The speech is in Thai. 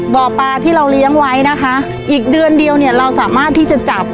บ่อปลาที่เราเลี้ยงไว้นะคะอีกเดือนเดียวเนี่ยเราสามารถที่จะจับ